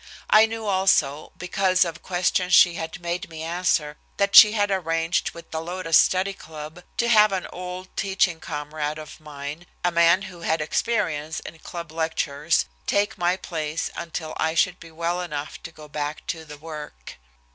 I knew also, because of questions she had made me answer, that she had arranged with the Lotus Study Club to have an old teaching comrade of mine, a man who had experience in club lectures, take my place until I should be well enough to go back to the work.